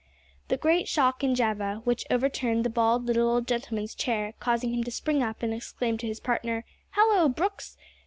The great shock in Java, which overturned the bald little old gentleman's chair, causing him to spring up and exclaim to his partner, "Hallo, Brooks!"